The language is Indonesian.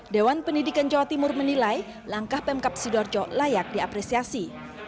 dewan pendidikan jawa timur menilai langkah pemkap sidoarjo layak diapresiasi